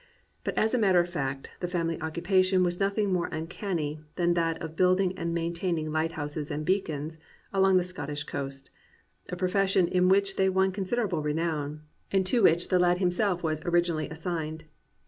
But as a matter of fact the family occupation was noth ing more uncanny than that of building and main taining lighthouses and beacons along the Scottish coast, a profession in which they won considerable renown and to which the lad himself was originally 361 COMPANIONABLE BOOKS assigned.